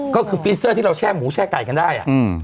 ก็คือฟีเซอร์ที่เราแช่หมูแช่ไก่กันได้